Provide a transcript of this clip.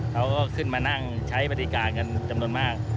เขาก็ขึ้นมานั่งใช้บริการกันจำนวนมาก